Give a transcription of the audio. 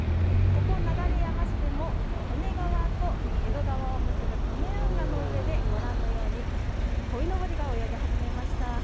ここ流山市でも利根川と江戸川を結ぶ利根運河の上でご覧のようにこいのぼりが泳ぎ始めました。